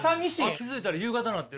気付いたら夕方なってる。